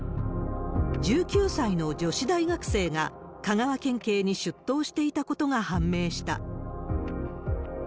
１９歳の女子大学生が香川県警に出頭していたことが判明した。